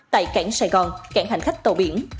tại cảng sài gòn cảng hành khách tàu biển